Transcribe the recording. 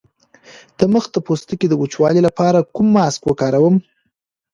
د مخ د پوستکي د وچوالي لپاره کوم ماسک وکاروم؟